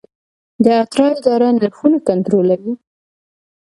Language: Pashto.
د اترا اداره نرخونه کنټرولوي؟